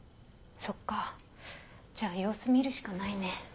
そっかじゃあ様子見るしかないね。